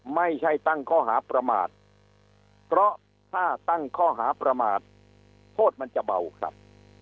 ไม่ใช่ตั้งข้อหาประมาทเพราะถ้าตั้งข้อหาประมาทโทษมันจะเบาครับ